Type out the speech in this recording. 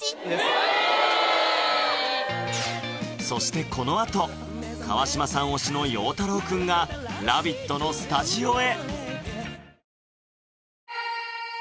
そしてこのあと川島さん推しのようたろうくんが「ラヴィット！」のスタジオへ！